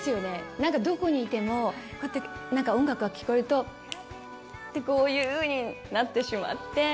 なんかどこにいても、こうやって音楽が聴こえると、って、こういうふうになってしまって。